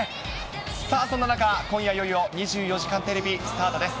さあ、そんな中、今夜いよいよ２４時間テレビ、スタートです。